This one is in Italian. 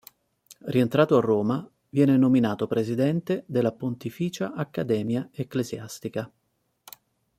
Rientrato a Roma, viene nominato presidente della Pontificia accademia ecclesiastica.